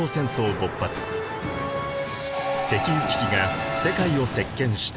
石油危機が世界を席けんした。